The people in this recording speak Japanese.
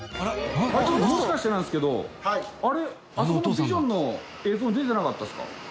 もしかしてなんですけどあれあそこのビジョンの映像に出てなかったですか？